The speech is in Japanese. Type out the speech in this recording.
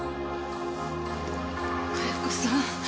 加代子さん